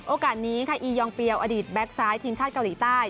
โอกาสนี้ค่ะอียองเปียวอดีตแบ็คซ้ายทีมชาติเกาหลีใต้